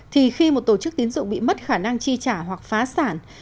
thì khi một tổ chức tín dụng bị mất khả năng chi trả hoặc phá sản